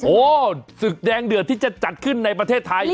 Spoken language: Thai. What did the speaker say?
ศึกแดงเดือดที่จะจัดขึ้นในประเทศไทย